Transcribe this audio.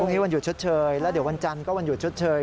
วันนี้วันหยุดชดเชยแล้วเดี๋ยววันจันทร์ก็วันหยุดชดเชย